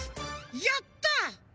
やった！